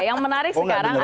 yang menarik sekarang adalah